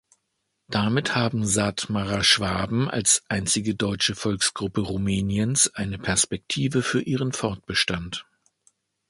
Damit haben Sathmarer Schwaben als einzige deutsche Volksgruppe Rumäniens eine Perspektive für ihren Fortbestand.